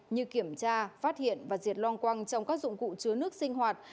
như kiểm tra phát hiện và diệt loang quăng trong các dụng cụ chứa nước sinh hoạt